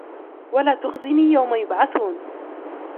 ولا تخزني يوم يبعثون